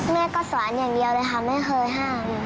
แม่ก็สารอย่างเดียวเลยค่ะไม่เคยห้าม